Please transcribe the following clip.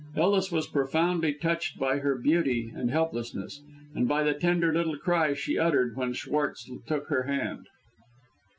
Ellis was profoundly touched by her beauty and helplessness, and by the tender little cry she uttered when Schwartz took her hand.